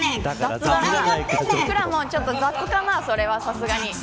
くらもん、ちょっと雑かなそれは、さすがに。